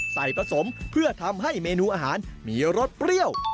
ใส่ผสมเพื่อทำให้เมนูอาหารมีรสเปรี้ยว